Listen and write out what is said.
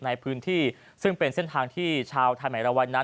ในพื้นที่ซึ่งเป็นเส้นทางที่ชาวไทยใหม่ราวัยนั้น